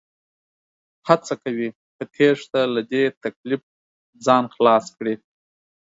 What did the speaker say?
هڅه کوي په تېښته له دې تکليف ځان خلاص کړي